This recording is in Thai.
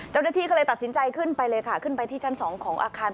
เจ้าหน้าที่ก็เลยตัดสินใจขึ้นไปเลยค่ะขึ้นไปที่ชั้น๒ของอาคาร